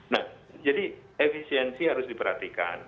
nah jadi efisiensi harus diperhatikan